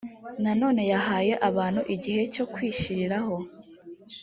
nanone yahaye abantu igihe cyo kwishyiriraho